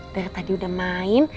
dari tadi udah main